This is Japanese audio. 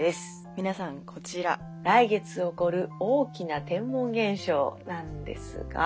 皆さんこちら来月起こる大きな天文現象なんですが。